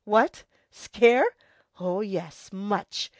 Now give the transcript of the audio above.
What! Scare? Oh, yes, much!